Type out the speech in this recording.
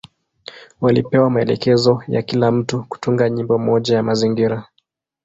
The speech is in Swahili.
Walipewa maelekezo ya kila mtu kutunga nyimbo moja ya mazingira.